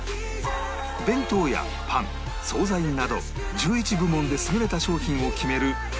弁当やパン惣菜など１１部門で優れた商品を決める